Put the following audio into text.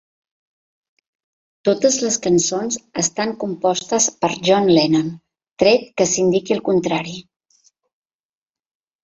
Totes les cançons estan compostes per John Lennon, tret que s'indiqui el contrari.